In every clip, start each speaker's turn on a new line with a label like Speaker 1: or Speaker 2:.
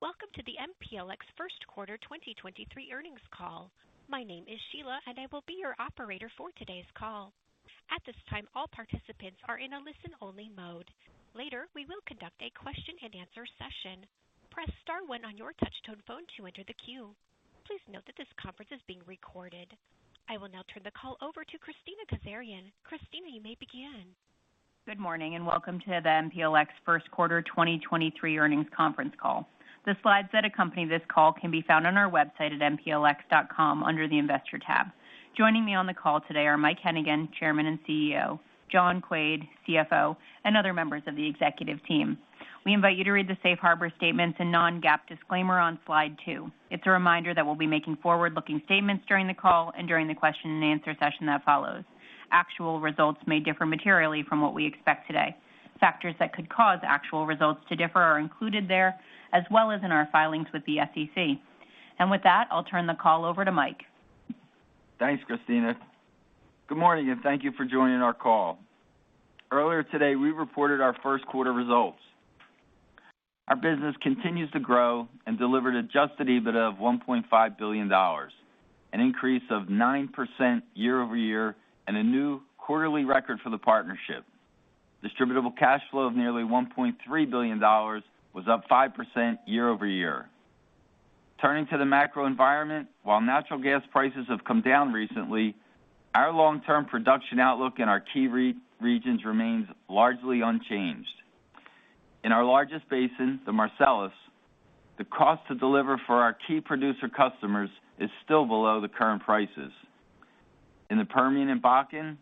Speaker 1: Welcome to the MPLX Q1 2023 Earnings Call. My name is Sheila, and I will be your operator for today's call. At this time, all participants are in a listen-only mode. Later, we will conduct a question and answer session. Press star one on your touch-tone phone to enter the queue. Please note that this conference is being recorded. I will now turn the call over to Kristina Kazarian. Kristina, you may begin.
Speaker 2: Good morning and welcome to the MPLX 1st quarter 2023 earnings conference call. The slides that accompany this call can be found on our website at mplx.com under the Investor tab. Joining me on the call today are Mike Hennigan, Chairman and CEO, John Quaid, CFO, and other members of the executive team. We invite you to read the safe harbor statements and non-GAAP disclaimer on slide 2. It's a reminder that we'll be making forward-looking statements during the call and during the question-and-answer session that follows. Actual results may differ materially from what we expect today. Factors that could cause actual results to differ are included there, as well as in our filings with the SEC. With that, I'll turn the call over to Mike.
Speaker 3: Thanks, Kristina. Good morning. Thank you for joining our call. Earlier today, we reported our Q1 results. Our business continues to grow and delivered adjusted EBITDA of $1.5 billion, an increase of 9% year-over-year and a new quarterly record for the partnership. Distributable cash flow of nearly $1.3 billion was up 5% year-over-year. Turning to the macro environment, while natural gas prices have come down recently, our long-term production outlook in our key regions remains largely unchanged. In our largest basin, the Marcellus, the cost to deliver for our key producer customers is still below the current prices. In the Permian and Bakken,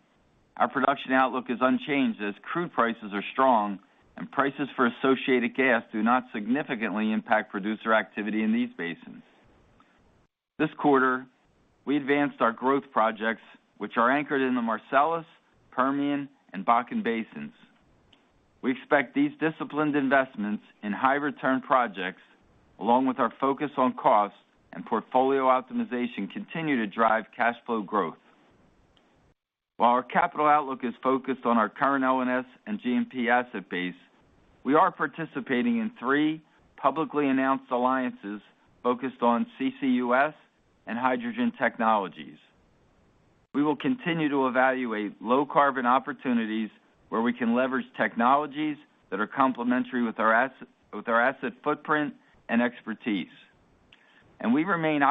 Speaker 3: our production outlook is unchanged as crude prices are strong and prices for associated gas do not significantly impact producer activity in these basins. This quarter, we advanced our growth projects, which are anchored in the Marcellus, Permian, and Bakken basins. We expect these disciplined investments in high return projects, along with our focus on cost and portfolio optimization, continue to drive cash flow growth. While our capital outlook is focused on our current LNS and G&P asset base, we are participating in three publicly announced alliances focused on CCUS and hydrogen technologies. We will continue to evaluate low carbon opportunities where we can leverage technologies that are complementary with our asset footprint and expertise. We remain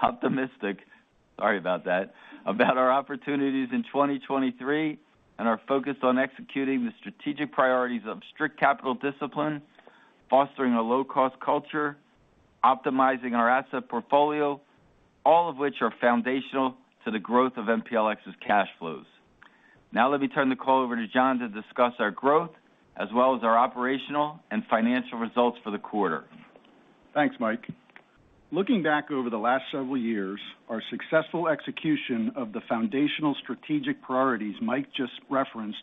Speaker 3: optimistic about our opportunities in 2023 and are focused on executing the strategic priorities of strict capital discipline, fostering a low-cost culture, optimizing our asset portfolio, all of which are foundational to the growth of MPLX's cash flows. Now let me turn the call over to John to discuss our growth as well as our operational and financial results for the quarter.
Speaker 4: Thanks, Mike. Looking back over the last several years, our successful execution of the foundational strategic priorities Mike just referenced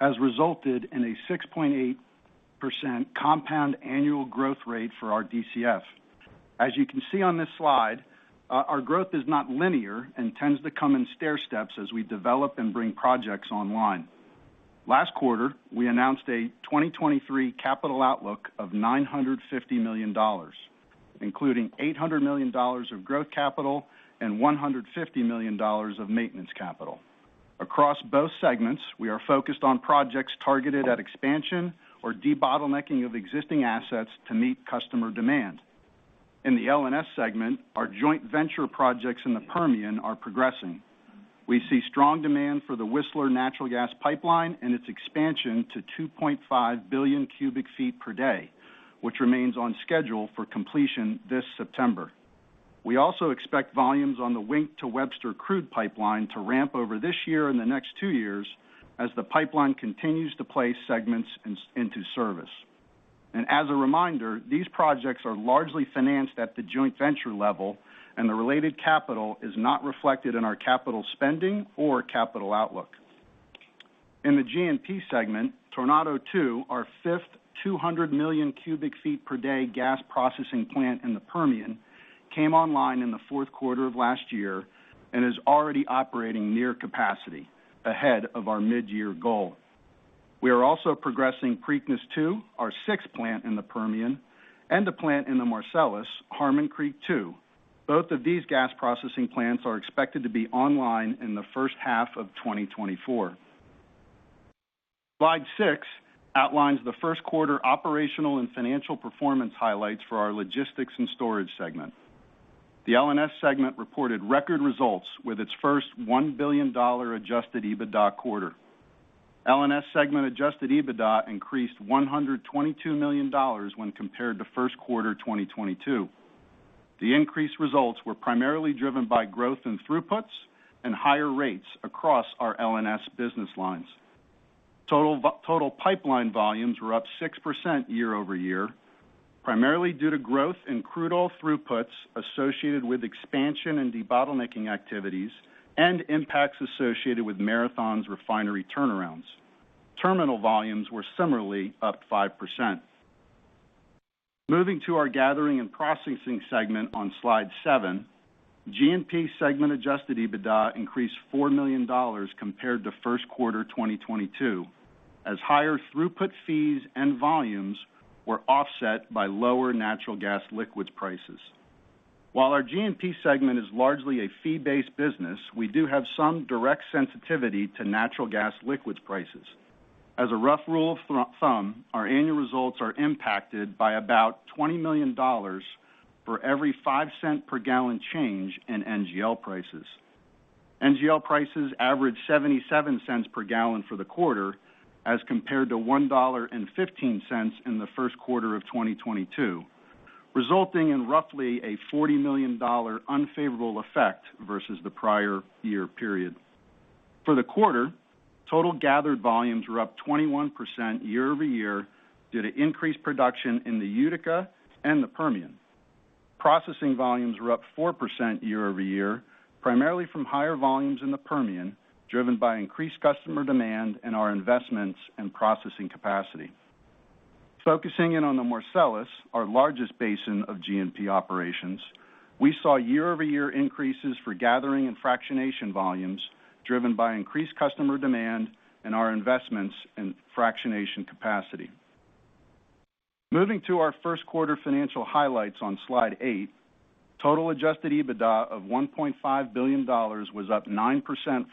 Speaker 4: has resulted in a 6.8% compound annual growth rate for our DCF. As you can see on this slide, our growth is not linear and tends to come in stairsteps as we develop and bring projects online. Last quarter, we announced a 2023 capital outlook of $950 million, including $800 million of growth capital and $150 million of maintenance capital. Across both segments, we are focused on projects targeted at expansion or debottlenecking of existing assets to meet customer demand. In the LNS segment, our joint venture projects in the Permian are progressing. We see strong demand for the Whistler natural gas pipeline and its expansion to 2.5 billion cubic feet per day, which remains on schedule for completion this September. We also expect volumes on the Wink to Webster crude pipeline to ramp over this year and the next two years as the pipeline continues to place segments into service. As a reminder, these projects are largely financed at the joint venture level, and the related capital is not reflected in our capital spending or capital outlook. In the G&P segment, Tornado II, our fifth 200 million cubic feet per day gas processing plant in the Permian, came online in the Q4 of last year and is already operating near capacity ahead of our mid-year goal. We are also progressing Preakness II, our sixth plant in the Permian, and a plant in the Marcellus, Harmon Creek II. Both of these gas processing plants are expected to be online in the H1 of 2024. Slide six outlines the Q1 operational and financial performance highlights for our logistics and storage segment. The LNS segment reported record results with its first $1 billion adjusted EBITDA quarter. LNS segment adjusted EBITDA increased $122 million when compared to Q1 2022. The increased results were primarily driven by growth in throughputs and higher rates across our LNS business lines. Total pipeline volumes were up 6% year-over-year, primarily due to growth in crude oil throughputs associated with expansion and debottlenecking activities and impacts associated with Marathon's refinery turnarounds. Terminal volumes were similarly up 5%. Moving to our gathering and processing segment on slide 7, G&P segment adjusted EBITDA increased $4 million compared to Q1 2022, as higher throughput fees and volumes were offset by lower natural gas liquids prices. While our G&P segment is largely a fee-based business, we do have some direct sensitivity to natural gas liquids prices. As a rough rule of thumb, our annual results are impacted by about $20 million for every $0.05 per gallon change in NGL prices. NGL prices average $0.77 per gallon for the quarter as compared to $1.15 in the Q1 of 2022, resulting in roughly a $40 million unfavorable effect versus the prior year period. For the quarter, total gathered volumes were up 21% year-over-year due to increased production in the Utica and the Permian. Processing volumes were up 4% year-over-year, primarily from higher volumes in the Permian, driven by increased customer demand and our investments in processing capacity. Focusing in on the Marcellus, our largest basin of G&P operations, we saw year-over-year increases for gathering and fractionation volumes driven by increased customer demand and our investments in fractionation capacity. Moving to our Q1 financial highlights on slide 8, total adjusted EBITDA of $1.5 billion was up 9%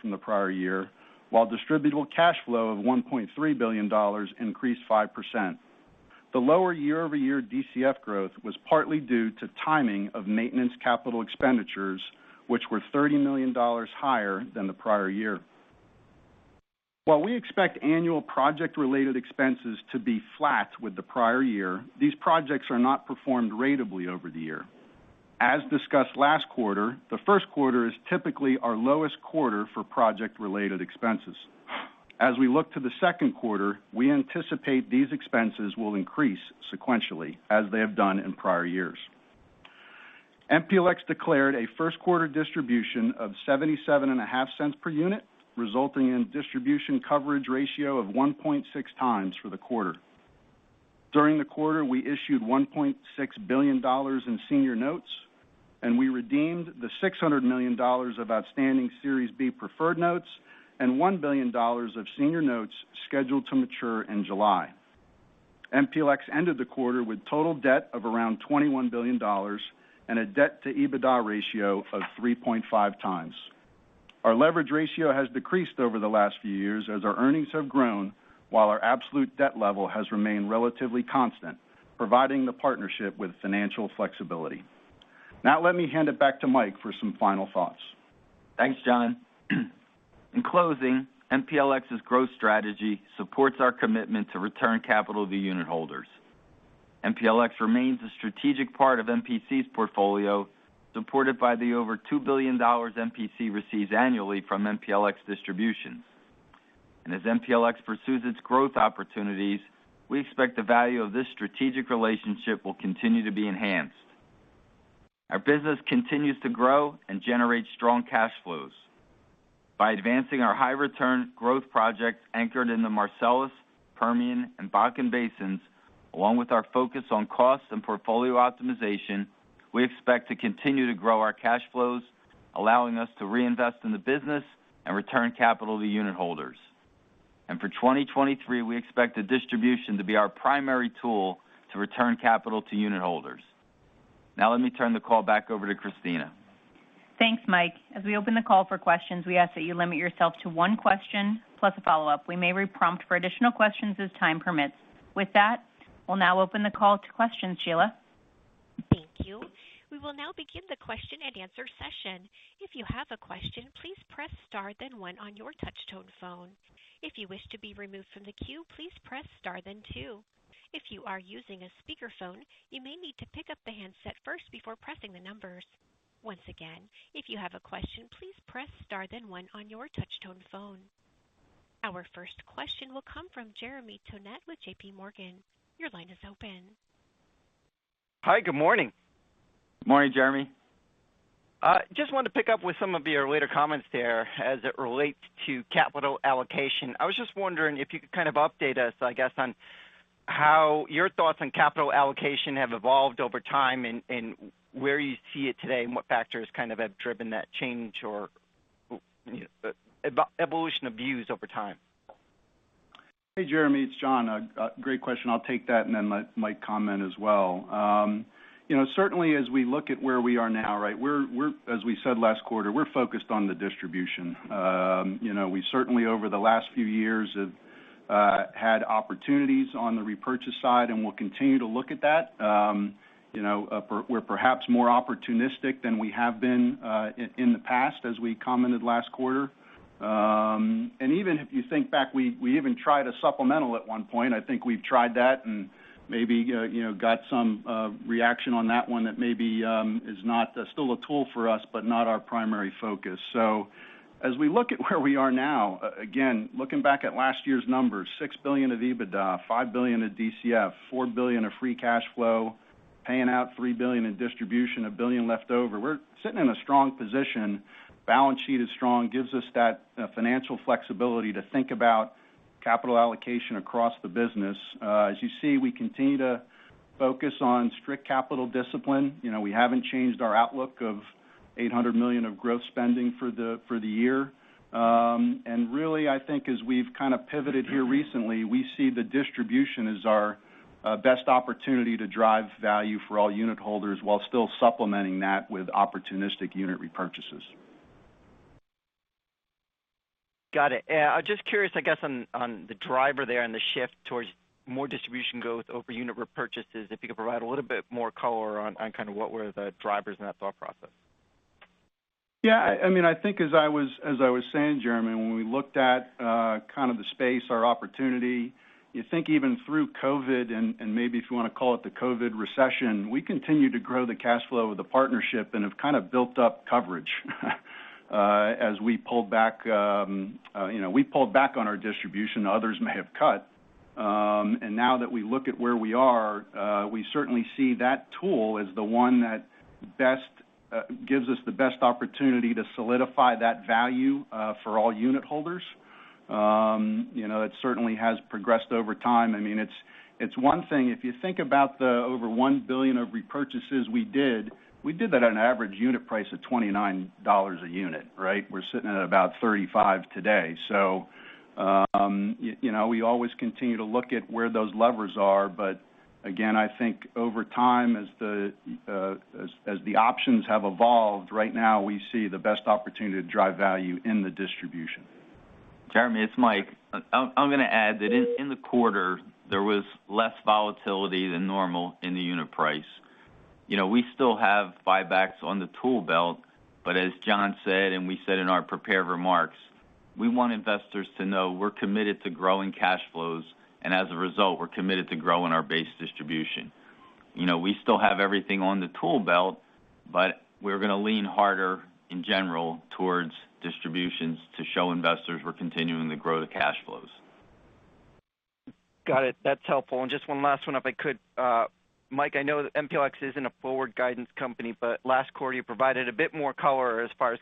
Speaker 4: from the prior year, while distributable cash flow of $1.3 billion increased 5%. The lower year-over-year DCF growth was partly due to timing of maintenance capital expenditures, which were $30 million higher than the prior year. While we expect annual project-related expenses to be flat with the prior year, these projects are not performed ratably over the year. As discussed last quarter, the Q1 is typically our lowest quarter for project-related expenses. As we look to the Q2, we anticipate these expenses will increase sequentially, as they have done in prior years. MPLX declared a Q1 distribution of $0.775 per unit, resulting in distribution coverage ratio of 1.6x for the quarter. During the quarter, we issued $1.6 billion in senior notes, and we redeemed $600 million of outstanding Series B preferred units and $1 billion of senior notes scheduled to mature in July. MPLX ended the quarter with total debt of around $21 billion and a debt-to-EBITDA ratio of 3.5x. Our leverage ratio has decreased over the last few years as our earnings have grown, while our absolute debt level has remained relatively constant, providing the partnership with financial flexibility. Now let me hand it back to Mike for some final thoughts.
Speaker 3: Thanks, John. In closing, MPLX's growth strategy supports our commitment to return capital to unitholders. MPLX remains a strategic part of MPC's portfolio, supported by the over $2 billion MPC receives annually from MPLX distributions. As MPLX pursues its growth opportunities, we expect the value of this strategic relationship will continue to be enhanced. Our business continues to grow and generate strong cash flows. By advancing our high return growth projects anchored in the Marcellus, Permian, and Bakken basins, along with our focus on cost and portfolio optimization, we expect to continue to grow our cash flows, allowing us to reinvest in the business and return capital to unitholders. For 2023, we expect the distribution to be our primary tool to return capital to unitholders. Now let me turn the call back over to Kristina.
Speaker 2: Thanks, Mike. As we open the call for questions, we ask that you limit yourself to one question plus a follow-up. We may re-prompt for additional questions as time permits. With that, we'll now open the call to questions. Sheila?
Speaker 1: Thank you. We will now begin the question-and-answer session. If you have a question, please press star then one on your touch tone phone. If you wish to be removed from the queue, please press star then two. If you are using a speakerphone, you may need to pick up the handset first before pressing the numbers. Once again, if you have a question, please press star then one on your touch tone phone. Our first question will come from Jeremy Tonet with JPMorgan. Your line is open.
Speaker 5: Hi, good morning.
Speaker 3: Morning, Jeremy.
Speaker 5: Just wanted to pick up with some of your later comments there as it relates to capital allocation. I was just wondering if you could update us, I guess, on how your thoughts on capital allocation have evolved over time, where you see it today and what factors have driven that change or evolution of views over time.
Speaker 4: Hey, Jeremy, it's John. A great question. I'll take that and then let Mike comment as well. You know, certainly as we look at where we are now, right, we're as we said last quarter, we're focused on the distribution. You know, we certainly over the last few years have had opportunities on the repurchase side, and we'll continue to look at that. you know, we're perhaps more opportunistic than we have been in the past, as we commented last quarter. Even if you think back, we even tried a supplemental at one point. I think we've tried that and maybe, you know, got some reaction on that one that maybe is not still a tool for us, but not our primary focus. As we look at where we are now, again, looking back at last year's numbers, $6 billion of EBITDA, $5 billion of DCF, $4 billion of free cash flow, paying out $3 billion in distribution, $1 billion left over. We're sitting in a strong position. Balance sheet is strong, gives us that financial flexibility to think about capital allocation across the business. As you see, we continue to focus on strict capital discipline. You know, we haven't changed our outlook of $800 million of growth spending for the year. Really, I think as we've pivoted here recently, we see the distribution as our best opportunity to drive value for all unit holders while still supplementing that with opportunistic unit repurchases.
Speaker 5: Got it. Just curious, I guess, on the driver there and the shift towards more distribution growth over unit repurchases, if you could provide a little bit more color on what were the drivers in that thought process?
Speaker 4: Yeah, I mean, I think as I was saying, Jeremy, when we looked at, the space, our opportunity, you think even through COVID and, maybe if you want to call it the COVID recession, we continued to grow the cash flow of the partnership and have built up coverage, as we pulled back, you know, we pulled back on our distribution, others may have cut. Now that we look at where we are, we certainly see that tool as the one that best gives us the best opportunity to solidify that value, for all unit holders. You know, it certainly has progressed over time. I mean, it's one thing, if you think about the over $1 billion of repurchases we did, we did that at an average unit price of $29 a unit, right? We're sitting at about $35 today. You know, we always continue to look at where those levers are. Again, I think over time, as the options have evolved, right now we see the best opportunity to drive value in the distribution.
Speaker 3: Jeremy, it's Mike. I'm going to add that in the quarter, there was less volatility than normal in the unit price. You know, we still have buybacks on the tool belt, but as John said, and we said in our prepared remarks, we want investors to know we're committed to growing cash flows, and as a result, we're committed to growing our base distribution. You know, we still have everything on the tool belt, but we're going to lean harder in general towards distributions to show investors we're continuing to grow the cash flows.
Speaker 5: Got it. That's helpful. Just one last one, if I could. Mike, I know that MPLX isn't a forward guidance company, but last quarter you provided a bit more color as far as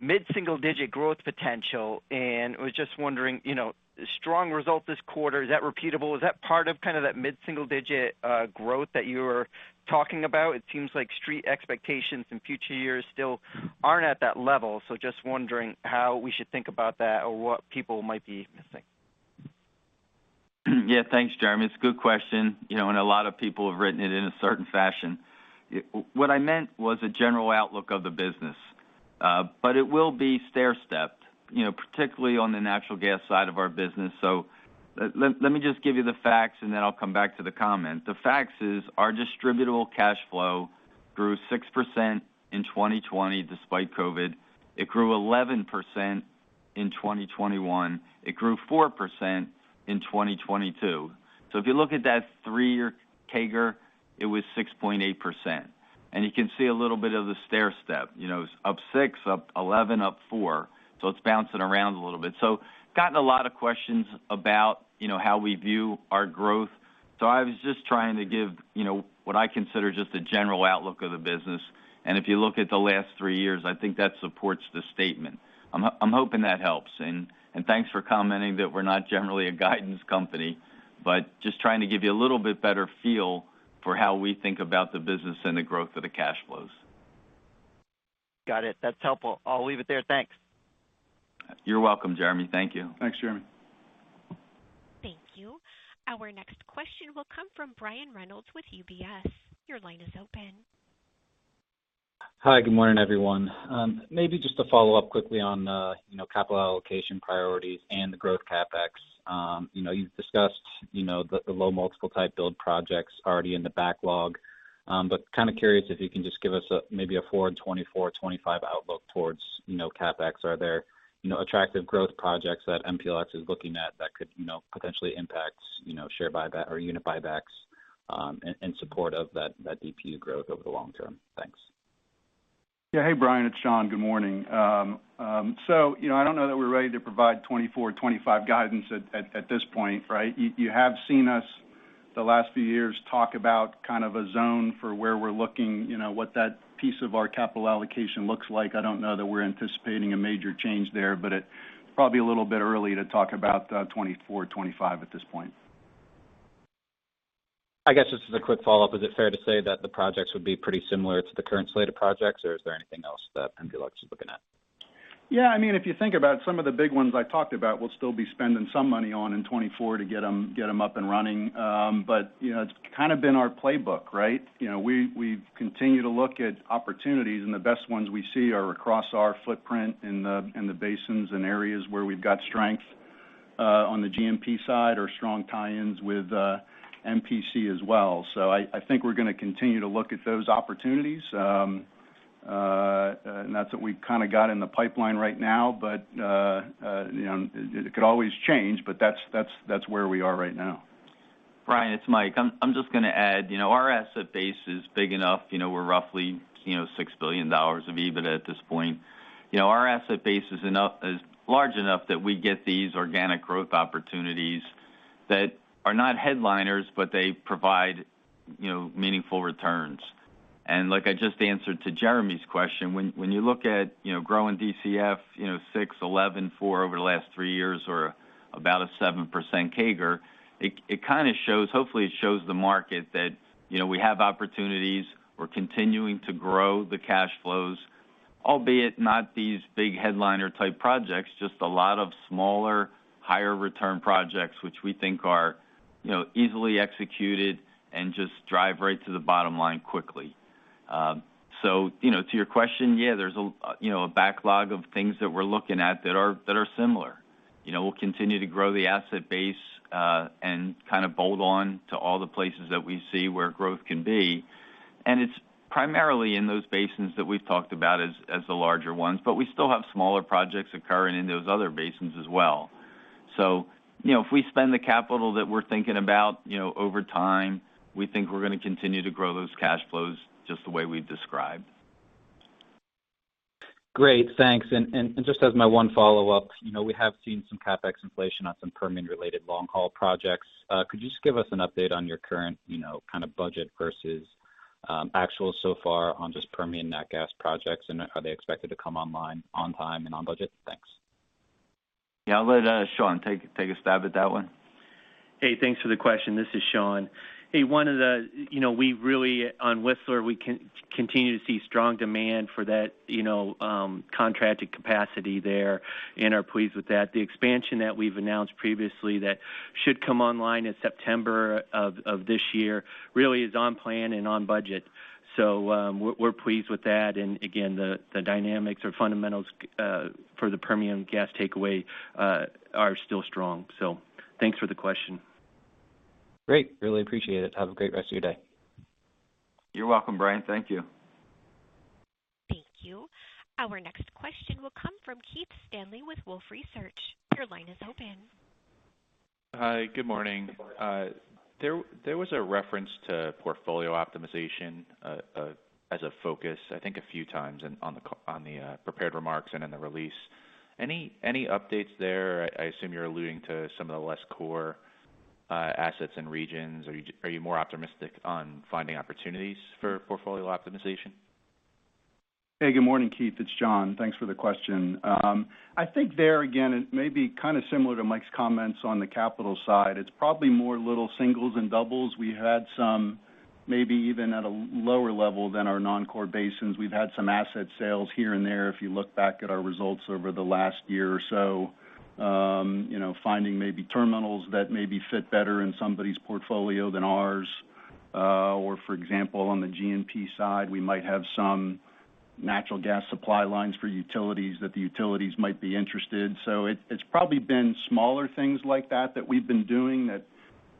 Speaker 5: mid-single digit growth potential. I was just wondering, you know, strong result this quarter, is that repeatable? Is that part of that mid-single digit growth that you were talking about? It seems like street expectations in future years still aren't at that level. Just wondering how we should think about that or what people might be missing.
Speaker 3: Yeah. Thanks, Jeremy. It's a good question, you know, a lot of people have written it in a certain fashion. What I meant was a general outlook of the business. It will be stairstepped, you know, particularly on the natural gas side of our business. Let me just give you the facts, then I'll come back to the comment. The facts is our distributable cash flow grew 6% in 2020 despite COVID. It grew 11% in 2021. It grew 4% in 2022. If you look at that 3-year CAGR, it was 6.8%. You can see a little bit of the stairstep. You know, it's up 6, up 11, up 4, so it's bouncing around a little bit. Gotten a lot of questions about, you know, how we view our growth. I was just trying to give, you know, what I consider just a general outlook of the business. If you look at the last three years, I think that supports the statement. I'm hoping that helps. Thanks for commenting that we're not generally a guidance company, but just trying to give you a little bit better feel for how we think about the business and the growth of the cash flows.
Speaker 5: Got it. That's helpful. I'll leave it there. Thanks.
Speaker 3: You're welcome, Jeremy. Thank you.
Speaker 4: Thanks, Jeremy.
Speaker 1: Thank you. Our next question will come from Brian Reynolds with UBS. Your line is open.
Speaker 6: Hi. Good morning, everyone. Maybe just to follow up quickly on, you know, capital allocation priorities and the growth CapEx. You know, you've discussed, you know, the low multiple type build projects already in the backlog but curious if you can just give us maybe a forward 24, 25 outlook towards, you know, CapEx. Are there, you know, attractive growth projects that MPLX is looking at that could, you know, potentially impact, you know, share buyback or unit buybacks in support of that DPU growth over the long term? Thanks.
Speaker 4: Yeah. Hey, Brian. It's John. Good morning. You know, I don't know that we're ready to provide 2024, 2025 guidance at this point, right? You have seen us the last few years talk about a zone for where we're looking, you know, what that piece of our capital allocation looks like. I don't know that we're anticipating a major change there, but it probably a little bit early to talk about 2024, 2025 at this point.
Speaker 6: I guess just as a quick follow-up, is it fair to say that the projects would be pretty similar to the current slate of projects, or is there anything else that MPLX is looking at?
Speaker 4: Yeah, I mean, if you think about some of the big ones I talked about, we'll still be spending some money on in 2024 to get them up and running. You know, it's been our playbook, right? You know, we continue to look at opportunities, and the best ones we see are across our footprint in the basins and areas where we've got strength on the G&P side or strong tie-ins with MPC as well. I think we're going to continue to look at those opportunities. That's what we've got in the pipeline right now. You know, it could always change, but that's where we are right now.
Speaker 3: Brian, it's Mike. I'm just going to add, you know, our asset base is big enough. You know, we're roughly, you know, $6 billion of EBIT at this point. You know, our asset base is large enough that we get these organic growth opportunities that are not headliners, but they provide, you know, meaningful returns. Like I just answered to Jeremy's question, when you look at, you know, growing DCF, you know, six eleven four over the last three years or about a 7% CAGR, it shows hopefully it shows the market that, you know, we have opportunities. We're continuing to grow the cash flows, albeit not these big headliner type projects, just a lot of smaller, higher return projects, which we think are, you know, easily executed and just drive right to the bottom line quickly. You know, to your question, yeah, there's a, you know, a backlog of things that we're looking at that are, that are similar. You know, we'll continue to grow the asset base and bolt on to all the places that we see where growth can be. It's primarily in those basins that we've talked about as the larger ones. We still have smaller projects occurring in those other basins as well. You know, if we spend the capital that we're thinking about, you know, over time, we think we're going to continue to grow those cash flows just the way we've described.
Speaker 6: Great. Thanks. Just as my one follow-up, you know, we have seen some CapEx inflation on some Permian related long-haul projects. Could you just give us an update on your current, you know, budget versus actual so far on just Permian nat gas projects? Are they expected to come online on time and on budget? Thanks.
Speaker 3: Yeah. I'll let Shawn take a stab at that one.
Speaker 7: Thanks for the question. This is Shawn. One of the, you know, we really on Whistler, we continue to see strong demand for that, you know, contracted capacity there and are pleased with that. The expansion that we've announced previously that should come online in September of this year really is on plan and on budget. We're pleased with that. Again, the dynamics or fundamentals for the Permian gas takeaway are still strong. Thanks for the question.
Speaker 6: Great. Really appreciate it. Have a great rest of your day.
Speaker 3: You're welcome, Brian. Thank you.
Speaker 1: Thank you. Our next question will come from Keith Stanley with Wolfe Research. Your line is open.
Speaker 8: Hi. Good morning. There was a reference to portfolio optimization as a focus, I think a few times on the prepared remarks and in the release. Any updates there? I assume you're alluding to some of the less core assets and regions. Are you more optimistic on finding opportunities for portfolio optimization?
Speaker 4: Good morning, Keith. It's John. Thanks for the question. I think there again, it may be similar to Mike's comments on the capital side. It's probably more little singles and doubles. We had some maybe even at a lower level than our non-core basins. We've had some asset sales here and there, if you look back at our results over the last year or so. You know, finding maybe terminals that maybe fit better in somebody's portfolio than ours. For example, on the G&P side, we might have some natural gas supply lines for utilities that the utilities might be interested. It's probably been smaller things like that that we've been doing that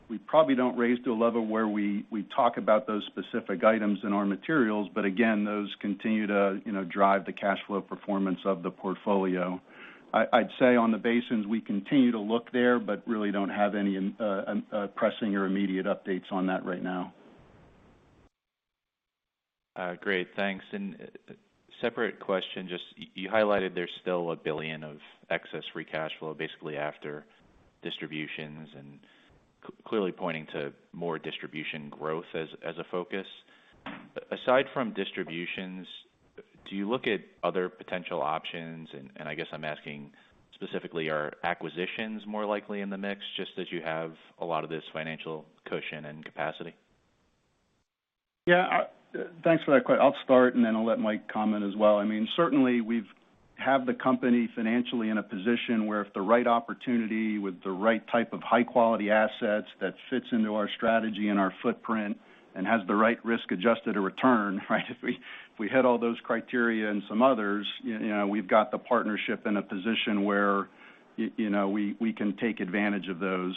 Speaker 4: we probably don't raise to a level where we talk about those specific items in our materials. Again, those continue to, you know, drive the cash flow performance of the portfolio. I'd say on the basins, we continue to look there, but really don't have any pressing or immediate updates on that right now.
Speaker 8: Great. Thanks. Separate question, just you highlighted there's still $1 billion of excess free cash flow basically after distributions and clearly pointing to more distribution growth as a focus. Aside from distributions, do you look at other potential options? I guess I'm asking specifically, are acquisitions more likely in the mix, just that you have a lot of this financial cushion and capacity?
Speaker 4: Yeah. Thanks for that. I'll start, and then I'll let Mike comment as well. I mean, certainly we have the company financially in a position where if the right opportunity with the right type of high-quality assets that fits into our strategy and our footprint and has the right risk-adjusted return, right? If we hit all those criteria and some others, you know, we've got the partnership in a position where, you know, we can take advantage of those.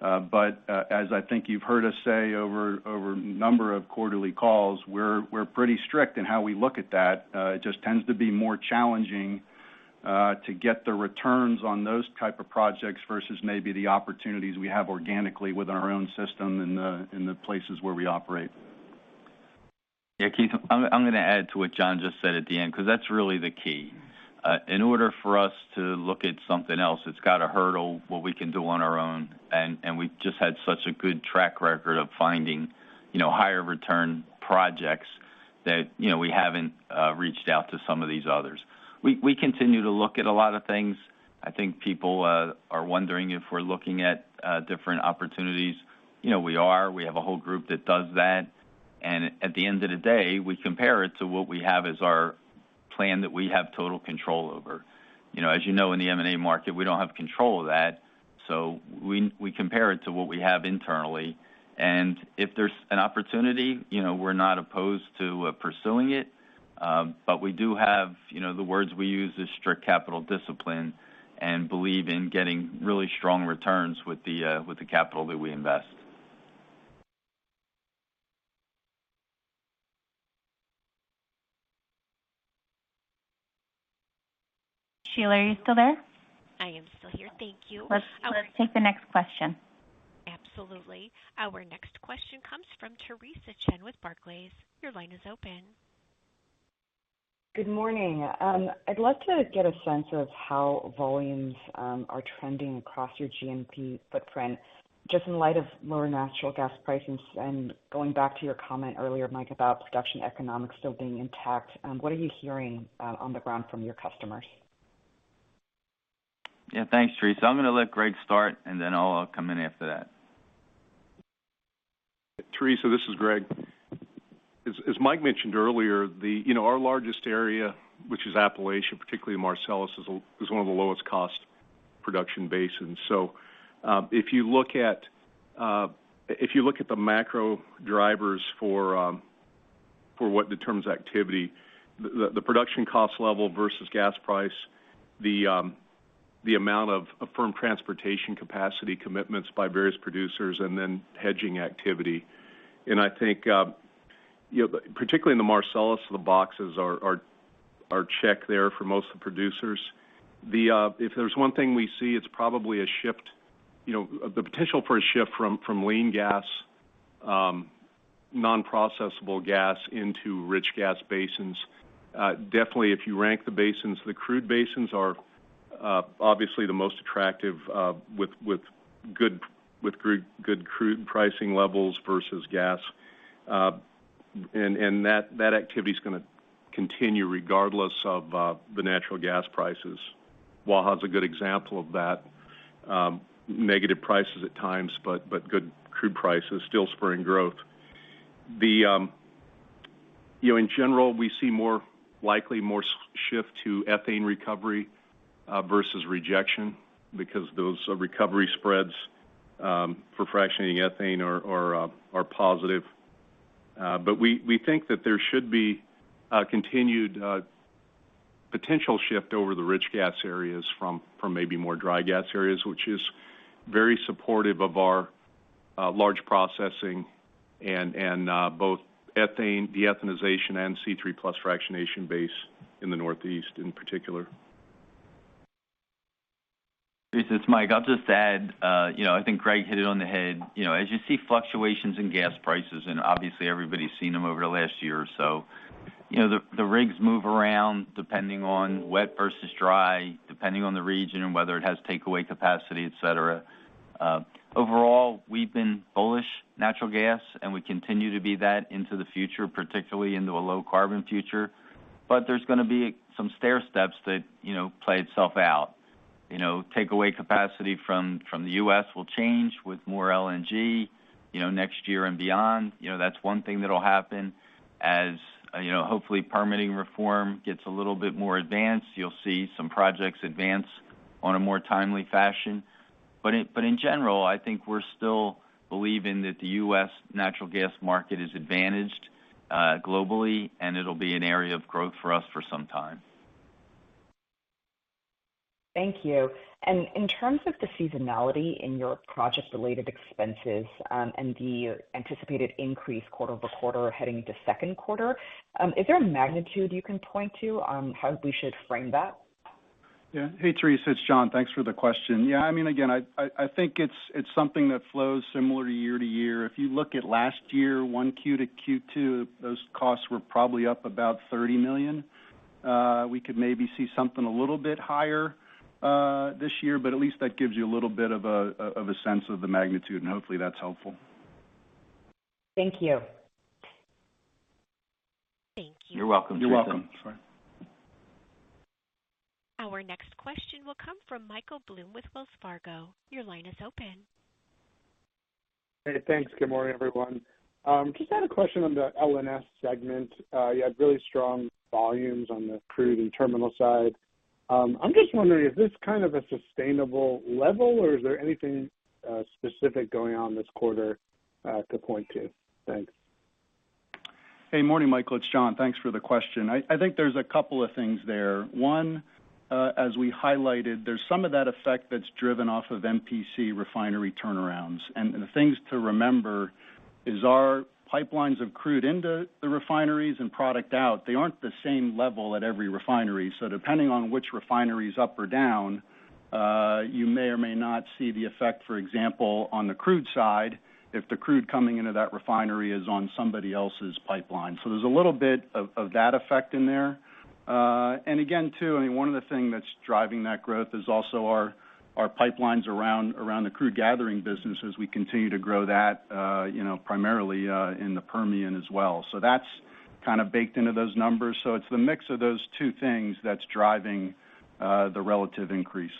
Speaker 4: As I think you've heard us say over a number of quarterly calls, we're pretty strict in how we look at that. It just tends to be more challenging to get the returns on those type of projects versus maybe the opportunities we have organically within our own system in the places where we operate.
Speaker 3: Yeah, Keith, I'm going to add to what John just said at the end, cause that's really the key. In order for us to look at something else, it's got to hurdle what we can do on our own. We've just had such a good track record of finding, you know, higher return projects that, you know, we haven't reached out to some of these others. We continue to look at a lot of things. I think people are wondering if we're looking at different opportunities. You know, we are. We have a whole group that does that. At the end of the day, we compare it to what we have as our plan that we have total control over. You know, as you know, in the M&A market, we don't have control of that. We compare it to what we have internally. If there's an opportunity, you know, we're not opposed to pursuing it. We do have, you know, the words we use is strict capital discipline and believe in getting really strong returns with the capital that we invest.
Speaker 9: Sheila, are you still there?
Speaker 1: I am still here. Thank you.
Speaker 9: Let's take the next question.
Speaker 1: Absolutely. Our next question comes from Theresa Chen with Barclays. Your line is open.
Speaker 10: Good morning. I'd love to get a sense of how volumes are trending across your G&P footprint, just in light of lower natural gas prices. Going back to your comment earlier, Mike, about production economics still being intact, what are you hearing on the ground from your customers?
Speaker 3: Yeah. Thanks, Theresa. I'm going to let Greg start and then I'll come in after that.
Speaker 11: Theresa, this is Greg. As Mike mentioned earlier, you know, our largest area, which is Appalachia, particularly Marcellus, is one of the lowest cost production basins. If you look at, if you look at the macro drivers for what determines activity, the production cost level versus gas price, the amount of affirmed transportation capacity commitments by various producers and then hedging activity. I think, you know, particularly in the Marcellus, the boxes are checked there for most of the producers. If there's one thing we see, it's probably a shift, you know, the potential for a shift from lean gas, non-processable gas into rich gas basins. Definitely if you rank the basins, the crude basins are obviously the most attractive with good crude pricing levels versus gas. That activity is going to continue regardless of the natural gas prices. Waha is a good example of that. Negative prices at times, but good crude prices still spurring growth. You know, in general, we see more likely more shift to ethane recovery versus rejection because those recovery spreads for fractionating ethane are positive. We think that there should be a continued potential shift over the rich gas areas from maybe more dry gas areas, which is very supportive of our large processing and both ethane, de-ethanization and C3+ fractionation basin in the Northeast in particular.
Speaker 3: Theresa, it's Mike. I'll just add, you know, I think Greg hit it on the head. You know, as you see fluctuations in gas prices, and obviously everybody's seen them over the last year or so, you know, the rigs move around depending on wet versus dry, depending on the region and whether it has takeaway capacity, et cetera. Overall, we've been bullish natural gas, and we continue to be that into the future, particularly into a low carbon future. There's going to be some stairsteps that, you know, play itself out. You know, takeaway capacity from the U.S. will change with more LNG, you know, next year and beyond. You know, that's one thing that'll happen. As, you know, hopefully permitting reform gets a little bit more advanced, you'll see some projects advance on a more timely fashion. In general, I think we're still believing that the U.S. natural gas market is advantaged, globally, and it'll be an area of growth for us for some time.
Speaker 10: Thank you. In terms of the seasonality in your project-related expenses, and the anticipated increase quarter-over-quarter heading into Q2, is there a magnitude you can point to on how we should frame that?
Speaker 4: Yeah. Hey, Theresa, it's John. Thanks for the question. Yeah, I mean, again, I think it's something that flows similar year to year. If you look at last year, Q1 to Q2, those costs were probably up about $30 million. We could maybe see something a little bit higher this year, but at least that gives you a little bit of a sense of the magnitude, and hopefully that's helpful.
Speaker 10: Thank you.
Speaker 1: Thank you.
Speaker 3: You're welcome, Theresa.
Speaker 4: You're welcome. Sorry.
Speaker 1: Our next question will come from Michael Blum with Wells Fargo. Your line is open.
Speaker 12: Hey, thanks. Good morning, everyone. Just had a question on the LNS segment. You had really strong volumes on the crude and terminal side. I'm just wondering, is this a sustainable level, or is there anything specific going on this quarter to point to? Thanks.
Speaker 4: Morning, Michael. It's John. Thanks for the question. I think there's a couple of things there. One, as we highlighted, there's some of that effect that's driven off of MPC refinery turnarounds. The things to remember is our pipelines of crude into the refineries and product out, they aren't the same level at every refinery. Depending on which refinery is up or down, you may or may not see the effect, for example, on the crude side, if the crude coming into that refinery is on somebody else's pipeline. There's a little bit of that effect in there. Again, too, I mean, one other thing that's driving that growth is also our pipelines around the crude gathering business as we continue to grow that, you know, primarily in the Permian as well. That's baked into those numbers. It's the mix of those two things that's driving the relative increase.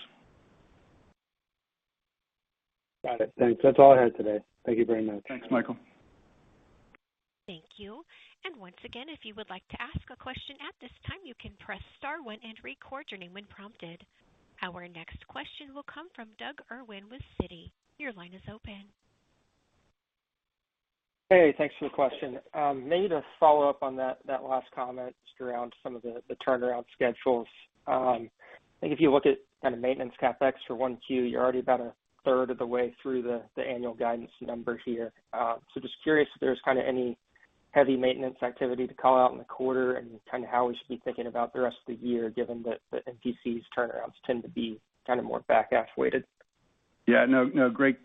Speaker 12: Got it. Thanks. That's all I had today. Thank you very much.
Speaker 4: Thanks, Michael.
Speaker 1: Thank you. Once again, if you would like to ask a question at this time, you can press star one and record your name when prompted. Our next question will come from Doug Irwin with Citi. Your line is open.
Speaker 13: Hey, thanks for the question. Maybe to follow up on that last comment just around some of the turnaround schedules. I think if you look at maintenance CapEx for 1Q, you're already about a third of the way through the annual guidance numbers here. Just curious if there's any heavy maintenance activity to call out in the quarter and how we should be thinking about the rest of the year, given that the MPC's turnarounds tend to be more back-half weighted?
Speaker 4: Yeah. No, no, great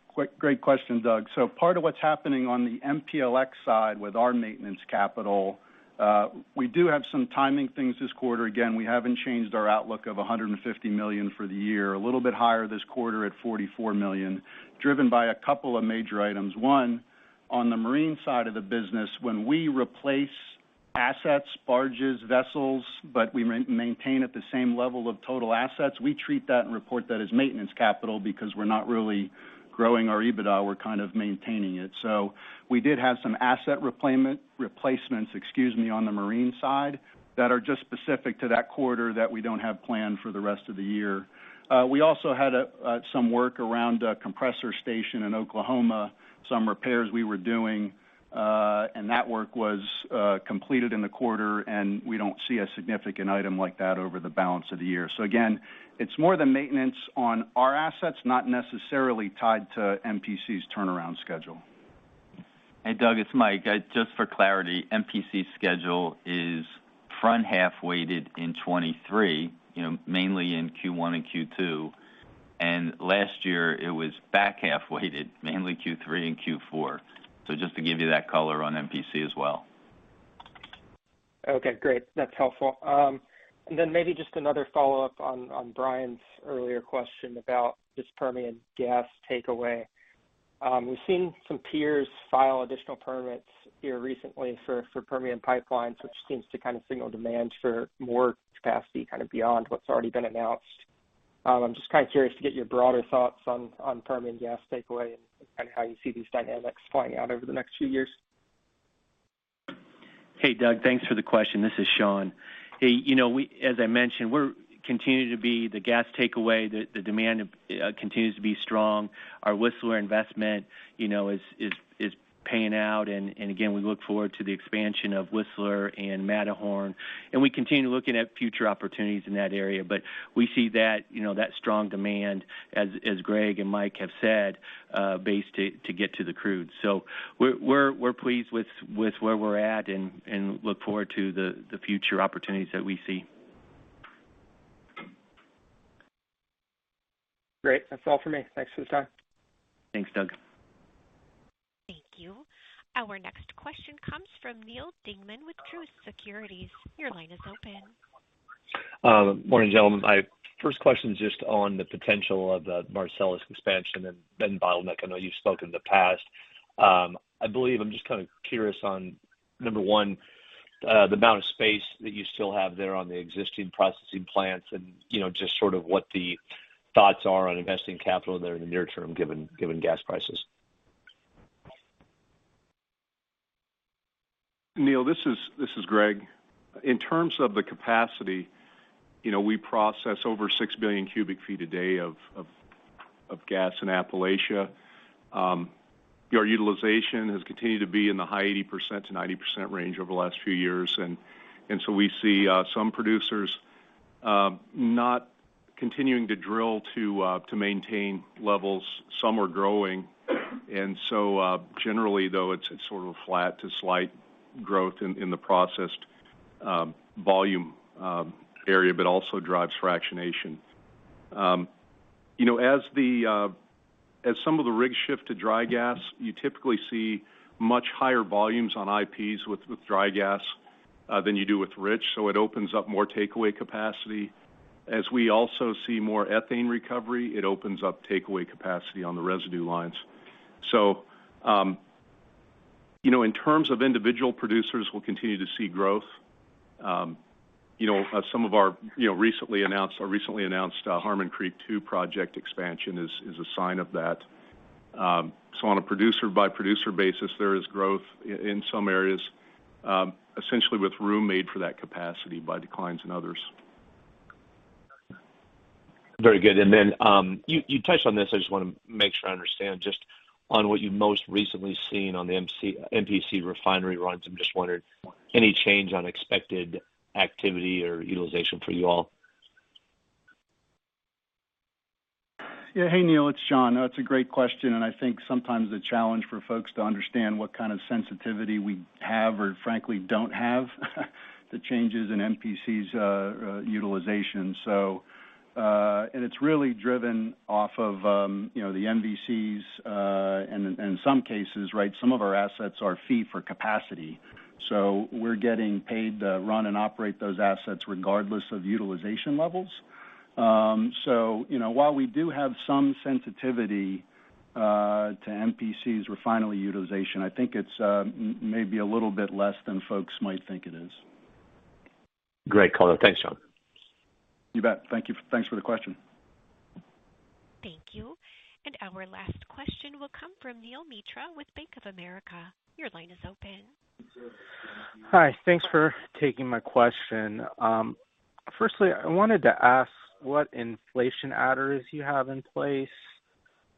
Speaker 4: question, Doug. Part of what's happening on the MPLX side with our maintenance capital, we do have some timing things this quarter. Again, we haven't changed our outlook of $150 million for the year, a little bit higher this quarter at $44 million, driven by a couple of major items. One, on the marine side of the business, when we replace assets, barges, vessels, but we maintain at the same level of total assets, we treat that and report that as maintenance capital because we're not really growing our EBITDA, we're maintaining it. We did have some asset replacements, excuse me, on the marine side that are just specific to that quarter that we don't have planned for the rest of the year. We also had some work around a compressor station in Oklahoma, some repairs we were doing, and that work was completed in the quarter, and we don't see a significant item like that over the balance of the year. Again, it's more the maintenance on our assets, not necessarily tied to MPC's turnaround schedule.
Speaker 3: Hey, Doug, it's Mike. Just for clarity, MPC's schedule is front half-weighted in 2023, you know, mainly in Q1 and Q2. Last year, it was back half-weighted, mainly Q3 and Q4. Just to give you that color on MPC as well.
Speaker 13: Okay, great. That's helpful. Maybe just another follow-up on Brian's earlier question about this Permian gas takeaway. We've seen some peers file additional permits here recently for Permian Pipelines, which seems to signal demand for more capacity beyond what's already been announced. I'm just curious to get your broader thoughts on Permian gas takeaway and how you see these dynamics playing out over the next few years.
Speaker 7: Hey, Doug, thanks for the question. This is Shawn. Hey, you know, as I mentioned, we're continuing to be the gas takeaway. The demand continues to be strong. Our Whistler investment, you know, is paying out. Again, we look forward to the expansion of Whistler and Matterhorn. We continue looking at future opportunities in that area. We see that, you know, that strong demand as Greg and Mike have said, base to get to the crude. We're pleased with where we're at and look forward to the future opportunities that we see.
Speaker 13: Great. That's all for me. Thanks for the time.
Speaker 7: Thanks, Doug.
Speaker 1: Thank you. Our next question comes from Neal Dingmann with Truist Securities. Your line is open.
Speaker 14: Morning, gentlemen. My first question is just on the potential of the Marcellus expansion and then bottleneck. I know you've spoken in the past. I believe I'm just curious on, number one, the amount of space that you still have there on the existing processing plants, and you know, just what the thoughts are on investing capital there in the near term, given gas prices.
Speaker 11: Neal, this is Greg. In terms of the capacity, you know, we process over 6 billion cubic feet a day of gas in Appalachia. Our utilization has continued to be in the high 80%-90% range over the last few years. So we see some producers not continuing to drill to maintain levels. Some are growing. Generally, though, it's a flat to slight growth in the processed volume area, but also drives fractionation. You know, as the rigs shift to dry gas, you typically see much higher volumes on IPs with dry gas than you do with rich, it opens up more takeaway capacity. As we also see more ethane recovery, it opens up takeaway capacity on the residue lines. You know, in terms of individual producers, we'll continue to see growth. You know, some of our, you know, recently announced Harmon Creek II project expansion is a sign of that. On a producer-by-producer basis, there is growth in some areas, essentially with room made for that capacity by declines in others.
Speaker 14: Very good. You touched on this, I just want to make sure I understand just on what you've most recently seen on the MPC refinery runs. I'm just wondering, any change on expected activity or utilization for you all?
Speaker 7: Yeah. Hey, Neal, it's Shawn. It's a great question, and I think sometimes the challenge for folks to understand what sensitivity we have or frankly don't have, the changes in MPC's utilization. It's really driven off of, you know, the MVCs, and in some cases, right, some of our assets are fee for capacity. We're getting paid to run and operate those assets regardless of utilization levels. While we do have some sensitivity to MPC's refinery utilization, I think it's maybe a little bit less than folks might think it is.
Speaker 14: Great call. Thanks, Shawn.
Speaker 7: You bet. Thank you. Thanks for the question.
Speaker 1: Thank you. Our last question will come from Neel Mitra with Bank of America. Your line is open.
Speaker 15: Hi. Thanks for taking my question. Firstly, I wanted to ask what inflation adders you have in place,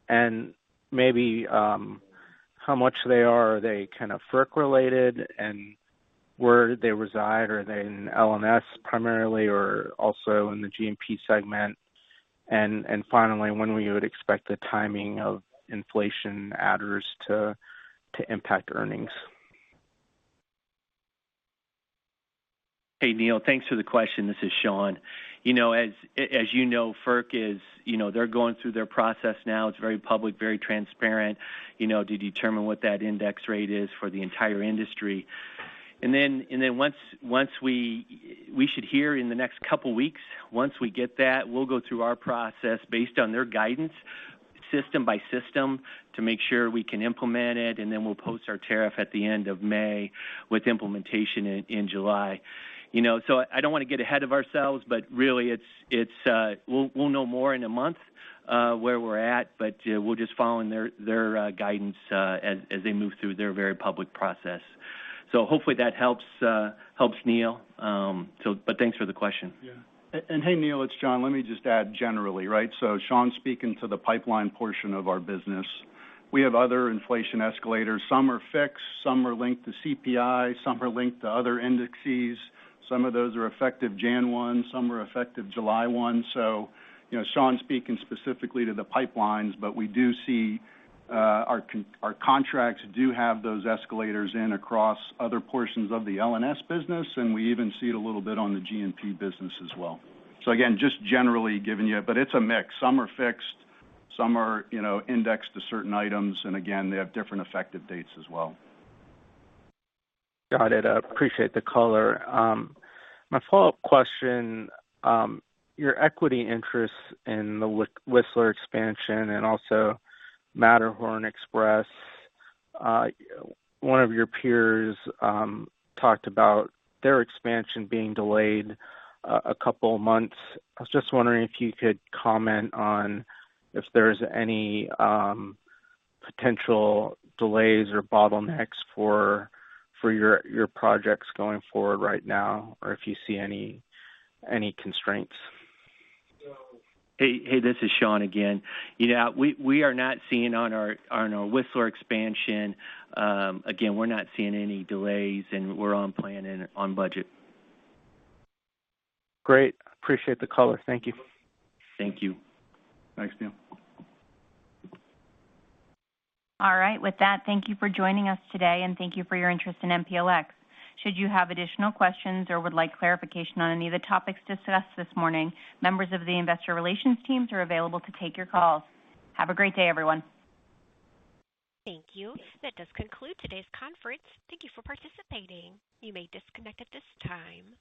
Speaker 15: and maybe, how much they are. Are they FERC-related, and where do they reside? Are they in LNS primarily or also in the G&P segment? Finally, when we would expect the timing of inflation adders to impact earnings?
Speaker 7: Hey, Neel, thanks for the question. This is Shawn. You know, as you know, FERC is, you know, they're going through their process now. It's very public, very transparent, you know, to determine what that index rate is for the entire industry. Once we should hear in the next couple weeks. Once we get that, we'll go through our process based on their guidance system by system to make sure we can implement it, and then we'll post our tariff at the end of May with implementation in July. You know, I don't want to get ahead of ourselves, but really it's we'll know more in a month where we're at, but we're just following their guidance as they move through their very public process. Hopefully that helps Neel.Thanks for the question.
Speaker 4: Yeah. Hey, Neal, it's John. Let me just add generally, right? Shawn's speaking to the pipeline portion of our business. We have other inflation escalators. Some are fixed, some are linked to CPI, some are linked to other indexes. Some of those are effective January 1, some are effective July 1. You know, Shawn's speaking specifically to the pipelines, but we do see our contracts do have those escalators in across other portions of the LNS business, and we even see it a little bit on the G&P business as well. Again, just generally giving you, but it's a mix. Some are fixed, some are, you know, indexed to certain items, and again, they have different effective dates as well.
Speaker 15: Got it. I appreciate the color. My follow-up question, your equity interest in the Whistler expansion and also Matterhorn Express, one of your peers talked about their expansion being delayed a couple of months. I was just wondering if you could comment on if there's any potential delays or bottlenecks for your projects going forward right now, or if you see any constraints?
Speaker 7: Hey, hey, this is Shawn again. We are not seeing on our Whistler expansion, again, we're not seeing any delays, and we're on plan and on budget.
Speaker 15: Great. Appreciate the color. Thank you.
Speaker 7: Thank you.
Speaker 4: Thanks, Neal.
Speaker 2: With that, thank you for joining us today, and thank you for your interest in MPLX. Should you have additional questions or would like clarification on any of the topics discussed this morning, members of the investor relations teams are available to take your calls. Have a great day, everyone.
Speaker 1: Thank you. That does conclude today's conference. Thank you for participating. You may disconnect at this time.